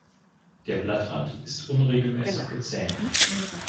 Der Blattrand ist unregelmäßig gezähnt.